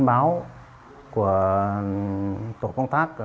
tin báo của tổ công tác